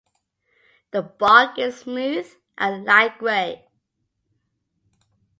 The bark is smooth and light gray.